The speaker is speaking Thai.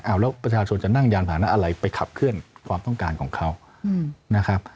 แล้วประชาชนจะนั่งยานผ่านะอะไรไปขับเคลื่อนความต้องการของเขานะครับ